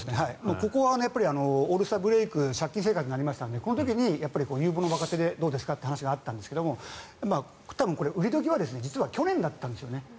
ここはオールスターブレークで借金生活になりましたのでこの時に有望な若手でどうですかという話があったんですがこれ、売り時は去年だったんですね。